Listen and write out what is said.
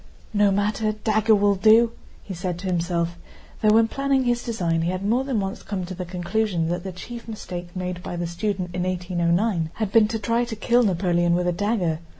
"No matter, the dagger will do," he said to himself, though when planning his design he had more than once come to the conclusion that the chief mistake made by the student in 1809 had been to try to kill Napoleon with a dagger.